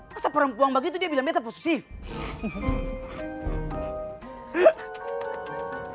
masa perempuan begitu dia bilang bete posisif